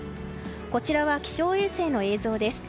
こちらは気象衛星の映像です。